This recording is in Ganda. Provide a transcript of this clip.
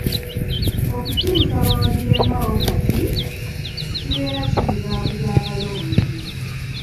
Okukyusa bawagire Mao kati, kibeera kibuzaabuza abalonzi .